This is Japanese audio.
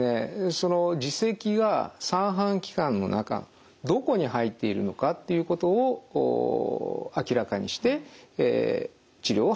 その耳石が三半規管の中どこに入っているのかっていうことを明らかにして治療を始める必要があります。